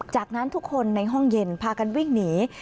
จากนั้นทุกคนในห้องเย็นพากันวิ่งหนี